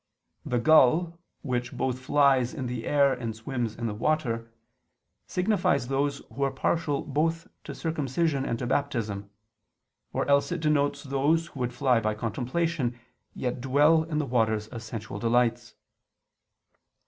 The gull, which both flies in the air and swims in the water, signifies those who are partial both to Circumcision and to Baptism: or else it denotes those who would fly by contemplation, yet dwell in the waters of sensual delights.